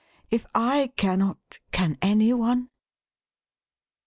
" If I cannot, can any one